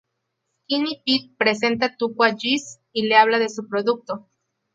Skinny Pete presenta Tuco a Jesse, y le habla de su producto.